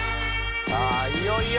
さぁいよいよ